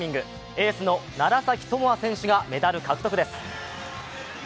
エースの楢崎智亜選手がメダル獲得です。